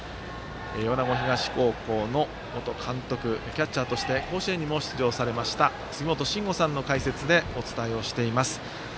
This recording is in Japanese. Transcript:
米子東高校の元監督キャッチャーとして甲子園にも出場されました杉本真吾さんの解説でお伝えしています。